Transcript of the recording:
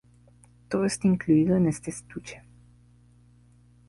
Todo está incluido en este estuche.